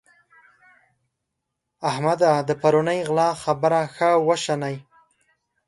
احمده! د پرونۍ غلا خبره ښه وشنئ.